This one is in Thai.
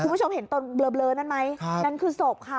คุณผู้ชมเห็นตัวเบลอเบลอนั่นไหมครับนั่นคือศพค่ะ